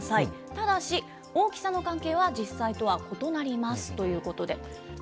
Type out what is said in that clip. ただし、大きさの関係は実際とは異なりますということで。